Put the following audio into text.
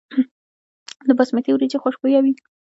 د باسمتي وریجې خوشبويه وي.